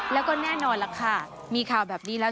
แล้วก็แน่นอนล่ะค่ะมีข่าวแบบนี้แล้ว